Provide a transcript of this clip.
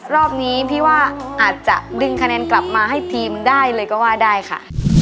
รอบนี้พี่ว่าอาจจะดึงคะแนนกลับมาให้ทีมได้เลยก็ว่าได้ค่ะ